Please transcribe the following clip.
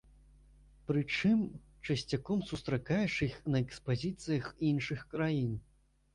Прычым, часцяком сустракаеш іх на экспазіцыях іншых краін.